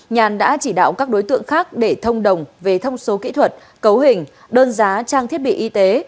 nhàn đã chỉ đạo các đối tượng khác để thông đồng về thông số kỹ thuật cấu hình đơn giá trang thiết bị y tế